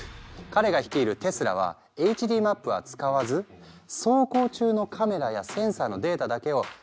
彼が率いるテスラはＨＤマップは使わず走行中のカメラやセンサーのデータだけを車内のＡＩが解析。